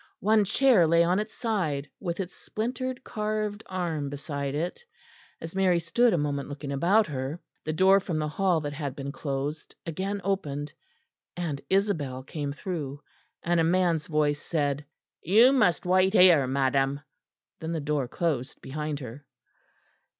One chair lay on its side, with its splintered carved arm beside it. As Mary stood a moment looking about her, the door from the hall that had been closed, again opened, and Isabel came through; and a man's voice said: "You must wait here, madam"; then the door closed behind her.